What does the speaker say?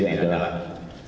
yang hadir disini